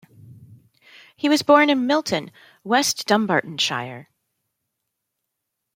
He was born in Milton, West Dunbartonshire.